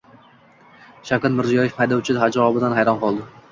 Shavkat Mirziyoyev haydovchi javobidan hayron qoldi